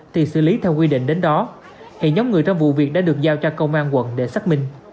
thì xử lý theo quy định đến đó hiện nhóm người trong vụ việc đã được giao cho công an quận để xác minh